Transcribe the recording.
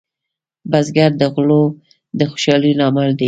بزګر د غلو د خوشحالۍ لامل دی